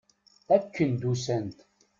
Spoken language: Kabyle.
Akken d-usant.